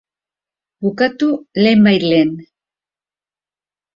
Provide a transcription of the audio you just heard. Bukatu lehen bait lehen.